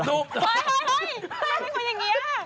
เฮ่ยแฟนเป็นคนอย่างนี้